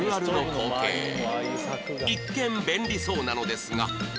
一見便利そうなのですが